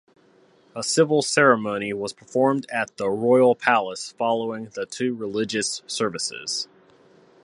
A civil ceremony was performed at the Royal Palace following the two religious services.